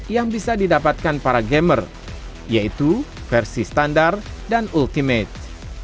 yang bisa didapatkan para gamer yaitu versi standar dan ultimate